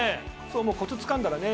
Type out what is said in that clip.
そうもうコツつかんだらね